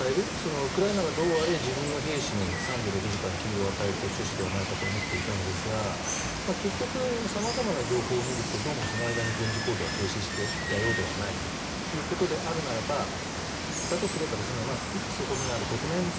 ウクライナがどうあれ自分の兵士に３６時間休養を与えるという趣旨ではないかと思っていたのですが結局、さまざまな情報を見るとどうもその間に軍事行動は停止していたようではないということであるならばだとすればそこにある国内向け。